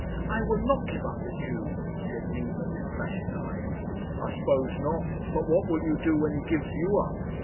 "I will not give up the Jew," said Nina, with flashing eyes. "I suppose not. But what will you do when he gives you up?